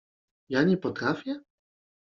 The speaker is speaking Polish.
— Ja nie potrafię?